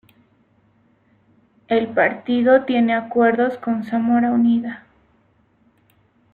El partido tiene acuerdos con Zamora Unida.